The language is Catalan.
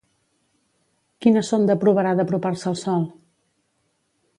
Quina sonda provarà d'apropar-se al sol?